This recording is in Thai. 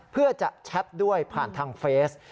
เพื่อจะแชทด้วยผ่านทางเฟส